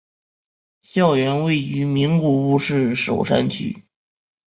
校园位于名古屋市守山区。